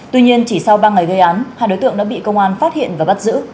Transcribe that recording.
tuy nhiên chỉ sau ba ngày gây án hai đối tượng đã bị công an phát hiện và bắt giữ